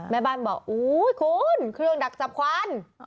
แม่บ้านบอกอุ้ยคุณเครื่องดักจับควัน